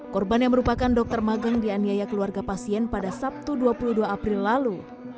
korban yang merupakan dokter mageng dianiaya keluarga pasien pada sabtu dua puluh dua april lalu